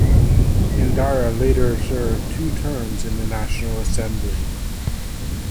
Endara later served two terms in the National Assembly.